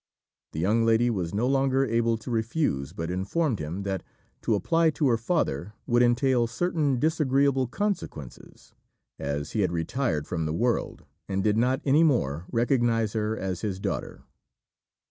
The young lady was no longer able to refuse, but informed him that to apply to her father would entail certain disagreeable consequences, as he had retired from the world, and did not any more recognise her as his daughter.